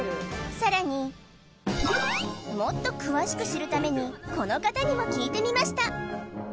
さらにもっと詳しく知るためにこの方にも聞いてみました